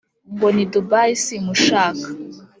ngo ni dubai simushaka